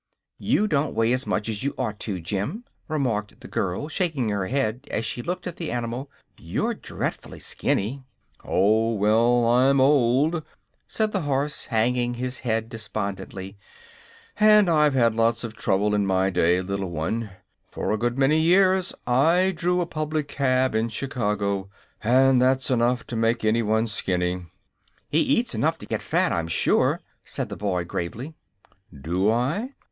"You don't weigh as much as you ought to, Jim," remarked the girl, shaking her head as she looked at the animal. "You're dreadfully skinny." "Oh, well; I'm old," said the horse, hanging his head despondently, "and I've had lots of trouble in my day, little one. For a good many years I drew a public cab in Chicago, and that's enough to make anyone skinny." "He eats enough to get fat, I'm sure," said the boy, gravely. "Do I?